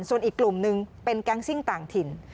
ส่วนอีกกลุ่มนึงเป็นแก๊งซิ่งต่างถิ่น